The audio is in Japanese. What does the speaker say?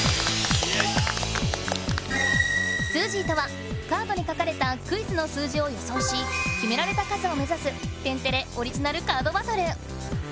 スージーとはカードに書かれたクイズの数字を予想しきめられた数を目ざす天てれオリジナルカードバトル！